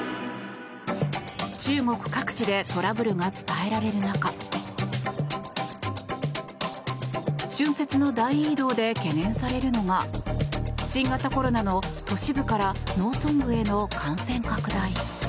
中国各地でトラブルが伝えられる中春節の大移動で懸念されるのが新型コロナの都市部から農村部への感染拡大。